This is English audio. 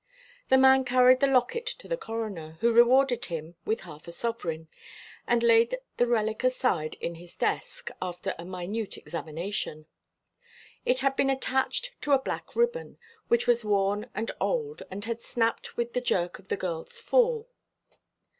The man carried the locket to the Coroner, who rewarded him with half a sovereign, and laid the relic aside in his desk, after a minute examination. It had been attached to a black ribbon, which was worn and old, and had snapped with the jerk of the girl's fall.